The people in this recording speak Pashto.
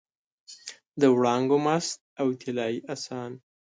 د وړانګو مست او طلايي اسان